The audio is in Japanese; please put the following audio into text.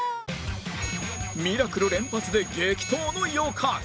ミラクル連発で激闘の予感